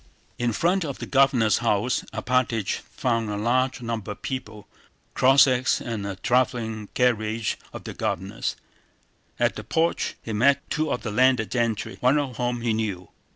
In front of the Governor's house Alpátych found a large number of people, Cossacks, and a traveling carriage of the Governor's. At the porch he met two of the landed gentry, one of whom he knew.